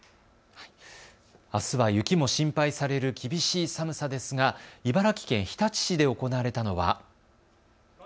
あすは雪も心配される厳しい寒さですが茨城県日立市で行われたのは。